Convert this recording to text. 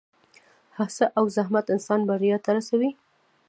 هڅه او زحمت انسان بریا ته رسوي.